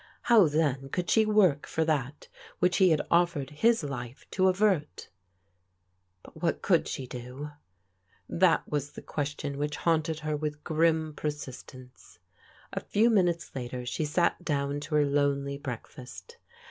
How, then, could she work for that which he had offered his life to avert ? But what could she do ? That was the question which haunted her with grim persistence. A few minutes later she sat down to her lonely break fast.